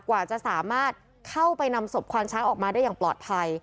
กว่าจะสามารถเข้าไปนำศพควานช้างออกมาได้อย่างปลอดภัย